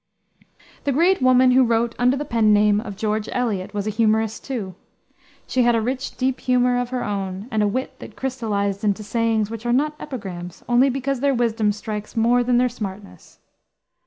The great woman who wrote under the pen name of George Eliot was a humorist, too. She had a rich, deep humor of her own, and a wit that crystallized into sayings which are not epigrams, only because their wisdom strikes more than their smartness.